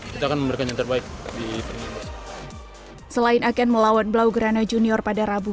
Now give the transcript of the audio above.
kita akan memberikan yang terbaik di dunia selain akan melawan blaugrana junior pada rabu